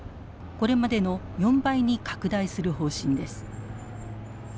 これまでの４倍に拡大する方針です。